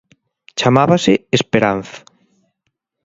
Chamábase 'Esperanza'.